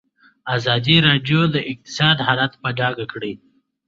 ازادي راډیو د اقتصاد حالت په ډاګه کړی.